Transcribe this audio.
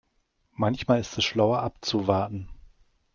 Manchmal ist es schlauer abzuwarten.